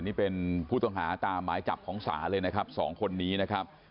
นี่เป็นผู้ต้องหาตามหมายจับของศาลเลยนะครับสองคนนี้นะครับ